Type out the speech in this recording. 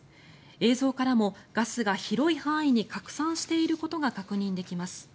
映像からもガスが広い範囲に拡散していることが確認できます。